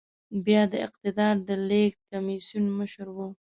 بيا د اقتدار د لېږد کميسيون مشر و.